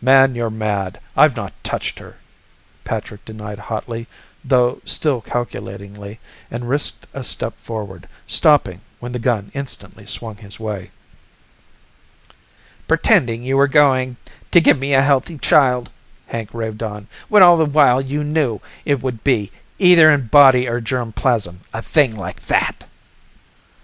"Man, you're mad; I've not touched her!" Patrick denied hotly though still calculatingly, and risked a step forward, stopping when the gun instantly swung his way. "Pretending you were going to give me a healthy child," Hank raved on, "when all the while you knew it would be either in body or germ plasm a thing like that!"